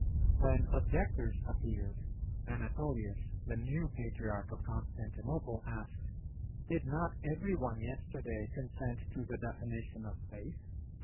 When objectors appeared, Anatolius, the new Patriarch of Constantinople, asked "Did not every one yesterday consent to the definition of faith?"